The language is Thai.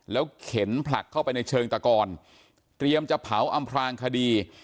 เข็นผลักเข้าไปในเชิงตะกอนเตรียมจะเผาอำพลางคดี